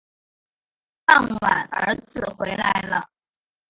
傍晚儿子回来了